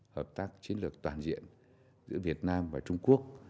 hợp tác chiến lược toàn diện giữa việt nam và trung quốc